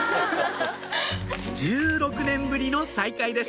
１６年ぶりの再会です